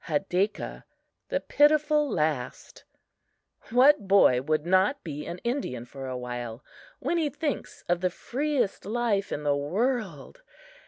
Hadakah, "The Pitiful Last" WHAT boy would not be an Indian for a while when he thinks of the freest life in the world?